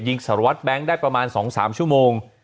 สารวัตรแบงค์ได้ประมาณ๒๓ชั่วโมง